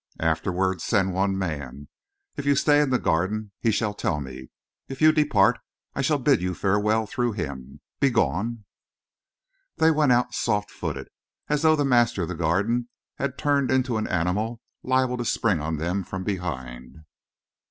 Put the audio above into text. Afterward, send one man. If you stay in the Garden he shall tell me. If you depart I shall bid you farewell through him. Begone!" They went out soft footed, as though the master of the Garden had turned into an animal liable to spring on them from behind.